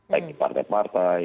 baik di partai partai